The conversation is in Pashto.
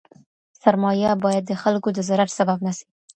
سرمایه باید د خلګو د ضرر سبب نه سي.